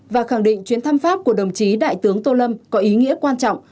và khẳng định chuyến thăm pháp của đồng chí đại tướng tô lâm có ý nghĩa quan trọng